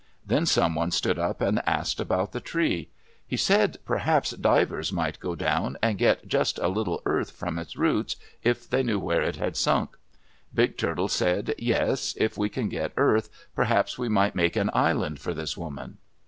Then someone stood up and asked about the tree. He said perhaps divers might go down and get just a little earth from its roots, if they knew where it had sunk. Big Turtle said, "Yes. If we can get earth, perhaps we might make an island for this woman."